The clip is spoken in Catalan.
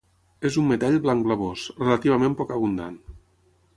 És un metall blanc blavós, relativament poc abundant.